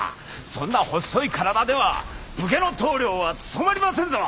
そんなほっそい体では武家の棟梁は務まりませんぞ。